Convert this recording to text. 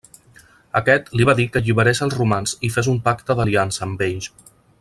Aquest li va dir que alliberés els romans i fes un pacte d'aliança amb ells.